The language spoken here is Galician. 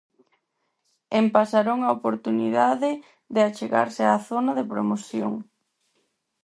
En Pasarón a oportunidade de achegarse á zona de promoción.